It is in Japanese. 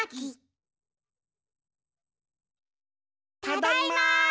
ただいま！